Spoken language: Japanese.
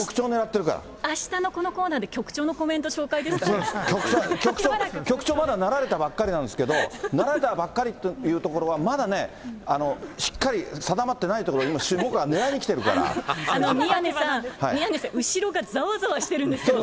あしたのこのコーナーで、局長、局長まだなられたばっかりなんですけど、なられたばっかりということは、まだね、しっかり定まってないところ、今、宮根さん、宮根さん、後ろがざわざわしてるんですけど。